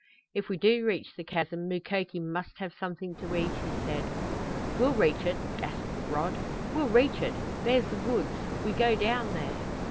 "If we do reach the chasm Mukoki must have something to eat," he said. "We'll reach it!" gasped Rod. "We'll reach it! There's the woods. We go down there!"